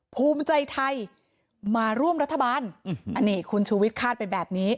ภูมิใจไทยมาร่วมรัฐบาลอันนี้คุณชูวิทยคาดไปแบบนี้